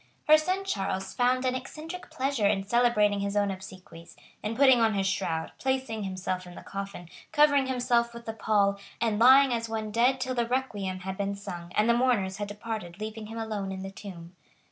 Her son Charles found an eccentric pleasure in celebrating his own obsequies, in putting on his shroud, placing himself in the coffin, covering himself with the pall; and lying as one dead till the requiem had been sung, and the mourners had departed leaving him alone in the tomb.